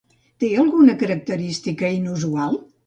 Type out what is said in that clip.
Té alguna altra característica inusual?